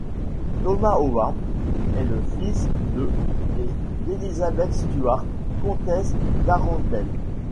Thomas Howard est le fils de et d'Elizabeth Stuart, comtesse d'Arundel.